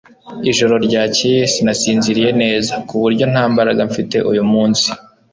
Ijoro ryakeye sinasinziriye neza, ku buryo nta mbaraga mfite uyu munsi.